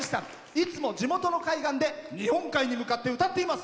いつも地元の海岸で日本海に向かって歌っています。